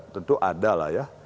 tentu ada lah ya